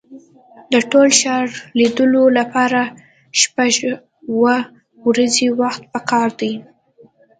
د ټول ښار لیدلو لپاره شپږ اوه ورځې وخت په کار دی.